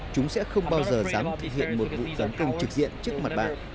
chúng sẽ không bao giờ dám thực hiện một vụ tấn công trực diện trước mặt bạn